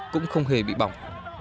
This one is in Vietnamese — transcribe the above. cũng không hề bị bỏng